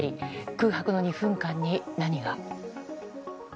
空白の２分間に何が。